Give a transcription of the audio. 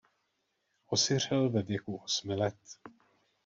Osiřel ve věku osmi let.